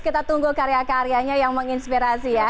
kita tunggu karya karyanya yang menginspirasi ya